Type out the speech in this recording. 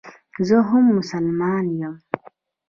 زه هم مسلمانه یم.